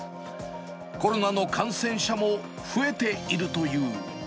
コロナの感染者も増えているという。